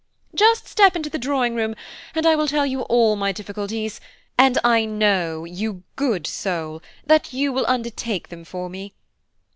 "Just step into the drawing room, and I will tell you all my difficulties, and I know, you good soul, that you will undertake them for me.